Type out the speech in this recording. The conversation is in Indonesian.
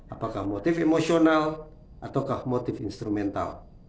apakah motif emosional atau motif instrumental